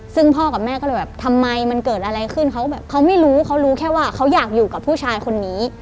ซึ่งพ่อกับแม่ก็เลยแบบทำไมมันเกิดอะไรขึ้นเขาแบบเขาไม่รู้เขารู้แค่ว่าเขาอยากอยู่กับผู้ชายคนนี้